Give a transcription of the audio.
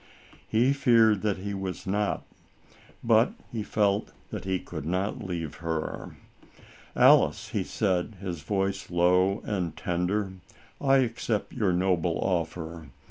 He feared that he was not, but he felt that he could not leave her. " Alice," he said, his voice low and tender, " I accept your noble offer.